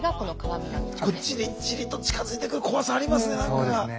こうじりっじりと近づいてくる怖さありますね何か。